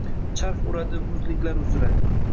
Charx uradi muzliklar uzra